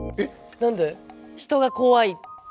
何で？